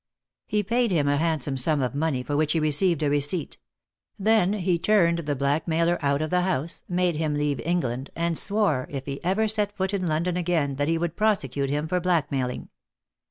He paid him a handsome sum of money, for which he received a receipt. Then he turned the blackmailer out of the house, made him leave England, and swore if he ever set foot in London again that he would prosecute him for blackmailing.